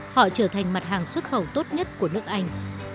họ trở thành mặt hàng xuất khẩu tốt nhất của nước anh